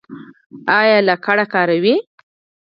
ایا لکړه کاروئ؟